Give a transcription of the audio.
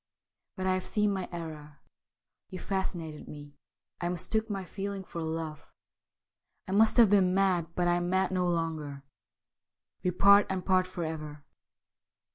' But I have seen my error. You fascinated me. I mistook my feeling for love. I must have been mad, but I am mad no longer. We part, and part for ever.